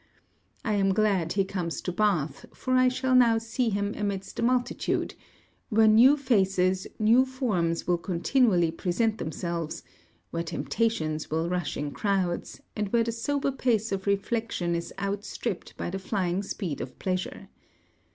I am glad he comes to Bath, for I shall now see him amidst a multitude, where new faces, new forms will continually present themselves; where temptations will rush in crowds, and where the sober pace of reflection is outstripped by the flying speed of pleasure.